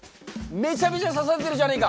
めちゃめちゃ刺されてるじゃねえか。